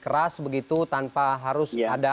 keras begitu tanpa harus ada